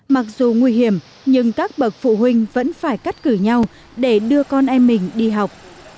mặc dù nguy hiểm nhưng các bậc phụ huynh vẫn phải cắt cử nhau để đưa con em mình đi học